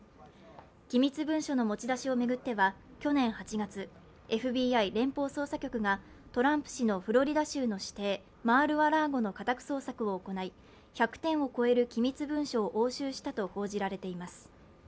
機密文書の持ち出しを巡っては去年８月、ＦＢＩ＝連邦捜査局がトランプ氏のフロリダ州の私邸、マール・ア・ラーゴの家宅捜索を行い、１００点を超える機密文書を押収したと報じられています。